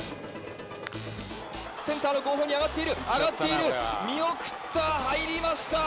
センターの後方に上がっている、上がっている、見送った、入りました。